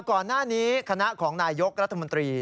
ก่อนหน้านี้คณะของนายยกรัฐมนตรี